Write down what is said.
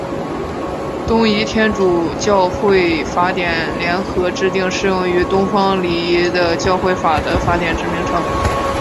东仪天主教会法典联合制定适用于东方礼仪的教会法的法典之名称。